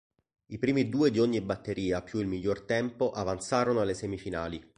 I primi due di ogni batteria più il miglior tempo avanzarono alle semifinali.